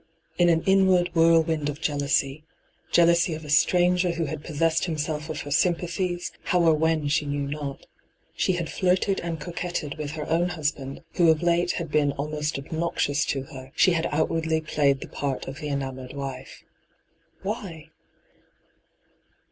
In an inward whirlwind of jealouey — jealousy of a stranger who had possessed himself of her sympathies, how or when she knew not — she had flirted and coquetted with her own husband, who of late had been almost obnoxious to her ; she had outwardly played the part of the enamoured wife. Why